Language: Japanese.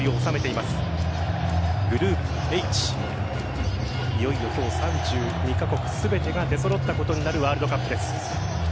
いよいよ今日３２カ国全てが出揃ったことになるワールドカップです。